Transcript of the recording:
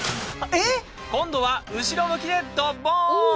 今度は、後ろ向きでドボーン！